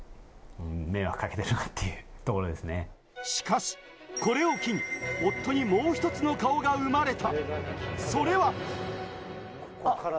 しかし、これを機に夫にもう一つの顔が生まれた。